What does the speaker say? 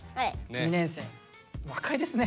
２年生若いですね。